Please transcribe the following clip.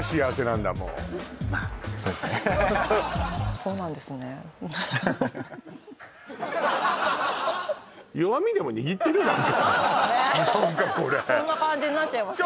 そんな感じになっちゃいますよね